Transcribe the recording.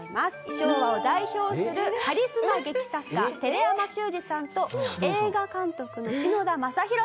昭和を代表するカリスマ劇作家寺山修司さんと映画監督の篠田正浩さん。